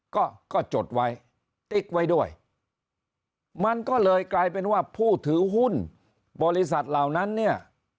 ก็ก็จดไว้ติ๊กไว้ด้วยมันก็เลยกลายเป็นว่าผู้ถือหุ้นบริษัทเหล่านั้นเนี่ย